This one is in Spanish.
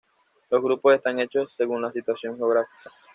Los grupos están hechos según la situación geográfica.